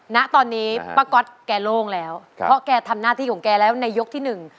ณตอนนี้ป้าก๊อตแกโล่งแล้วเพราะแกทำหน้าที่ของแกแล้วในยกที่หนึ่ง